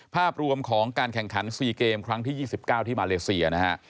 ภาพรวมของการแข่งขัน๔เกมครั้งที่๒๙ที่มาเลเซียนะฮะ